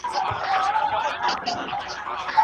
په دغه کیسې کي ډېر عبرتونه وه.